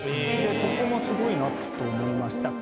そこもすごいなと思いました。